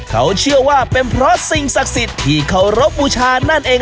เขาเชื่อว่าเป็นเพราะสิ่งศักดิ์สิทธิ์ที่เคารพบูชานั่นเอง